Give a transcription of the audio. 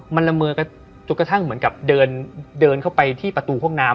มันละเมอจนกระทั่งเหมือนกับเดินเข้าไปที่ประตูห้องน้ำ